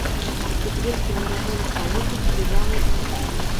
Усе кветкі на ягоных палотнах прывялыя і сухія.